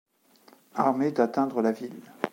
Armee d'atteindre la ville.